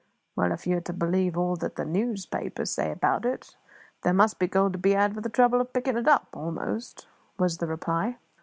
"Well, if you are to believe all that the newspapers say about it, there must be gold to be had for the trouble of picking it up, almost," was the reply.